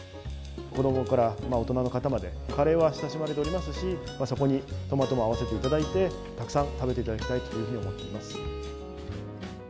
子どもから大人の方まで、カレーは親しまれておりますし、そこにトマトも合わせていただいて、たくさん食べていただきたいというふうに思っております。